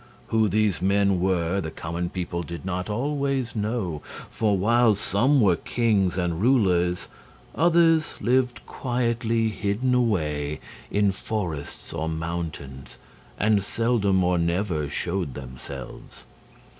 Who these men were the common people did not always know; for while some were kings and rulers, others lived quietly hidden away in forests or mountains, and seldom or never showed themselves.